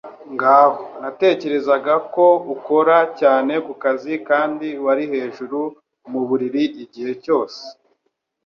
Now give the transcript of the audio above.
Ngaho natekerezaga ko ukora cyane kukazi kandi wari hejuru muburiri igihe cyose!